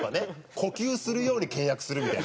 呼吸するように倹約するみたいな。